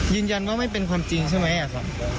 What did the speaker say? ยืนยันว่าไม่เป็นความจริงใช่ไหมอะครับ